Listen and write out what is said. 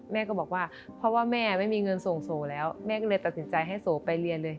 แม่ก็บอกว่าเพราะว่าแม่ไม่มีเงินส่งโสแล้วแม่ก็เลยตัดสินใจให้โสไปเรียนเลย